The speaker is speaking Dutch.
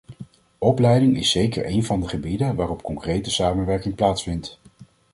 Opleiding is zeker een van de gebieden waarop concrete samenwerking plaatsvindt.